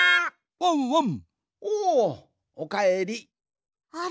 ワンワン！